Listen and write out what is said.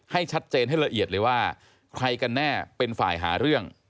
ให้ชัดเจนให้ละเอียดเลยว่าใครกันแน่เป็นฝ่ายหาเรื่อง